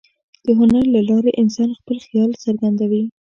د هنر له لارې انسان خپل خیال څرګندوي.